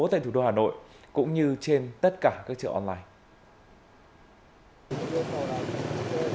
tại thủ đô hà nội cũng như trên tất cả các chợ online